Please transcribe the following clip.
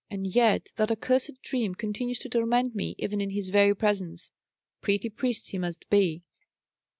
And yet that accursed dream continues to torment me even in his very presence. Pretty priest he must be!"